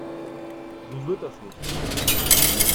So wird das nichts.